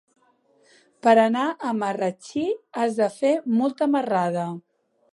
Per anar a Marratxí has de fer molta marrada.